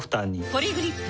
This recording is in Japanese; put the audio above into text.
ポリグリップ